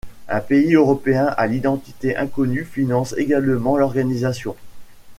Un pays européen à l'identité inconnue finance également l'organisation.